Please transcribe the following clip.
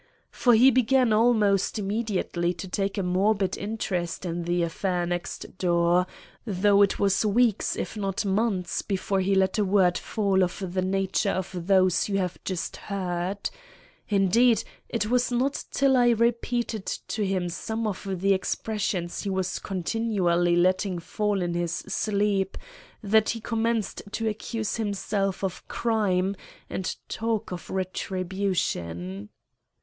For he began almost immediately to take a morbid interest in the affair next door, though it was weeks, if not months, before he let a word fall of the nature of those you have just heard. Indeed it was not till I repeated to him some of the expressions he was continually letting fall in his sleep, that he commenced to accuse himself of crime and talk of retribution."